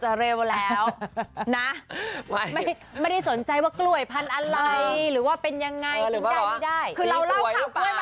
คือเราเล่าผักกล้วยมาทั้งหมดเนี่ย